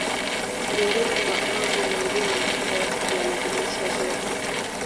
Miongoni mwa mambo mengine haya yanajumuisha joto